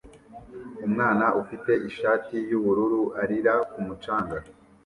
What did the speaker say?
Umwana ufite ishati yubururu arira ku mucanga